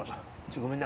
ごめんね。